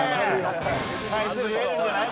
対する言えるんじゃない？